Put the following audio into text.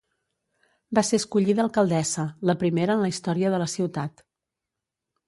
Va ser escollida alcaldessa, la primera en la història de la ciutat.